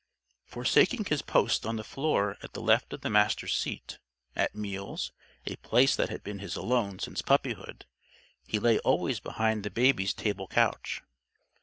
Forsaking his post on the floor at the left of the Master's seat, at meals a place that had been his alone since puppyhood he lay always behind the Baby's table couch.